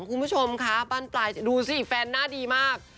คุณผู้ชมคะบ้านปลายดูสิแฟนหน้าดีมาก